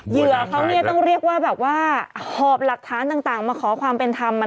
เยือเขาต้องเรียกว่าหอบหลักฐานต่างมาขอความเป็นธรรม